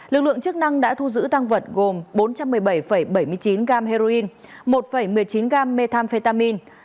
lực lượng chức năng đã thu giữ tăng vật gồm bốn trăm một mươi bảy bảy mươi chín gam heroin một một mươi chín gam methamphetamin